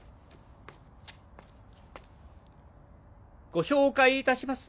ご紹介いたします。